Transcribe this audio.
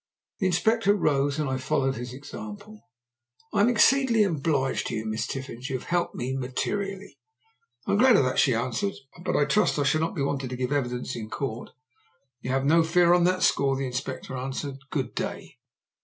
The Inspector rose, and I followed his example. "I am exceedingly obliged to you, Miss Tiffins. You have helped me materially." "I am glad of that," she answered; "but I trust I shall not be wanted to give evidence in court." "You need have no fear on that score," the Inspector answered. "Good day."